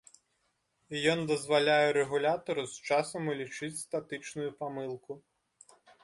Ён дазваляе рэгулятару з часам улічыць статычную памылку.